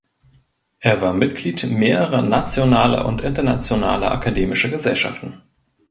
Er war Mitglied mehrerer nationaler und internationaler akademischer Gesellschaften.